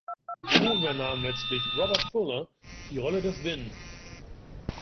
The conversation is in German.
So übernahm letztlich Robert Fuller die Rolle des Vin.